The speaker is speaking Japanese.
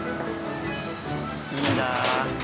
いいなあ。